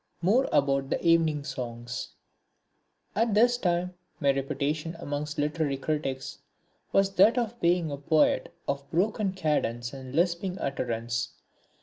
(33) More About the Evening Songs At this time my reputation amongst literary critics was that of being a poet of broken cadence and lisping utterance.